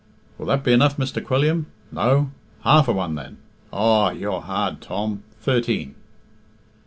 "Will that be enough, Mr. Quilliam? No? Half a one, then? Aw, you're hard, Tom... thirteen."